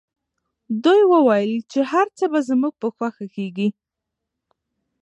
دوی وویل چي هر څه به زموږ په خوښه کیږي.